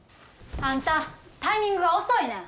あんたタイミングが遅いねん！